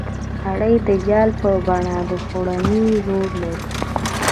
نړۍ د جال په بڼه د خوړنې زور لري.